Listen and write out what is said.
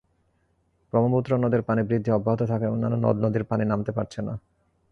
ব্রহ্মপুত্র নদের পানি বৃদ্ধি অব্যাহত থাকায় অন্যান্য নদ-নদীর পানি নামতে পারছে না।